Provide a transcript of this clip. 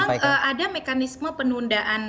memang ada mekanisme penundaan